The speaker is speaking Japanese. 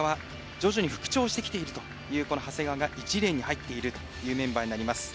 徐々に復調してきているという長谷川が１レーンに入っているというメンバーになります。